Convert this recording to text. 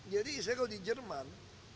jadi saya kalau di jerman